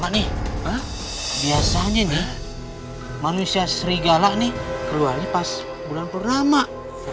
nih biasanya nih manusia serigala nih keluar pas bulan purna mak